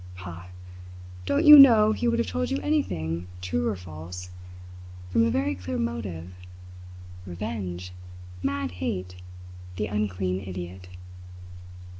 Pah! Don't you know he would have told you anything, true or false, from a very clear motive? Revenge! Mad hate the unclean idiot!"